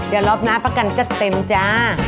เดี๋ยวรอบหน้าประการจะเต็มจ๊ะ